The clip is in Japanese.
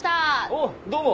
おっどうも。